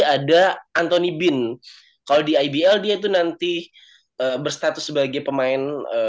ada antoni bin kalau di ibl dia itu nanti berstatus sebagai pemain